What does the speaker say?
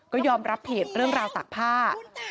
ก็ยอมรับผิดเรื่องราวตากผ้า